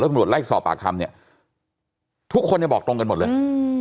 ตำรวจไล่สอบปากคำเนี่ยทุกคนเนี่ยบอกตรงกันหมดเลยอืม